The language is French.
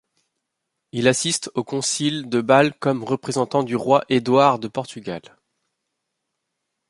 Il assiste au concile de Bâle comme représentant du roi Édouard de Portugal.